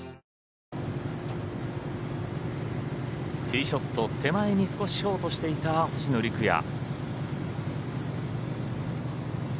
ティーショット手前に少しショートしていた星野陸也。